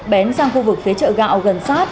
bén sang khu vực phía chợ gạo gần sát